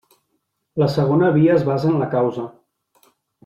La segona via es basa en la causa.